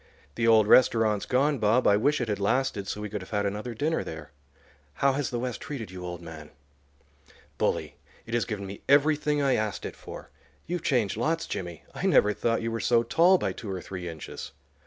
The old restaurant's gone, Bob; I wish it had lasted, so we could have had another dinner there. How has the West treated you, old man?" "Bully; it has given me everything I asked it for. You've changed lots, Jimmy. I never thought you were so tall by two or three inches."